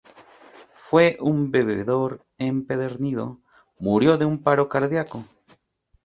Fue un bebedor empedernido, murió de un paro cardiaco.